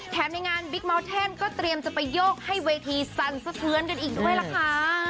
ในงานบิ๊กเมาสเทนก็เตรียมจะไปโยกให้เวทีสั่นสะเทือนกันอีกด้วยล่ะค่ะ